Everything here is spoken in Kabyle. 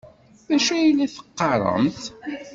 D acu ay la teqqaremt?